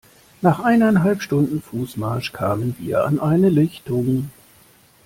Nach eineinhalb Stunden Fußmarsch kamen wir an eine Lichtung.